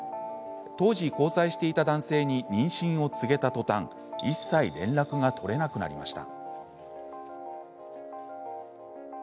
当時交際していた男性に妊娠を告げたとたん一切連絡が取れなくなりました。